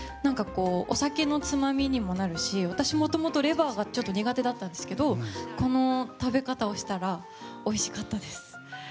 お酒のつまみにもなるし私、もともとレバーがちょっと苦手だったんですけどこの食べ方をしたらおいしかったです。